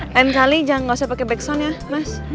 lain kali jangan pake back sound ya mas